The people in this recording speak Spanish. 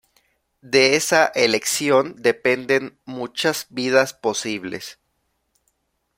De esa elección dependen muchas vidas posibles.